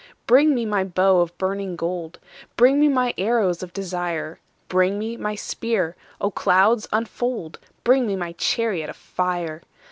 Bring me my bow of burning gold: Bring me my arrows of desire: Bring me my spear: O clouds unfold! Bring me my chariot of fire.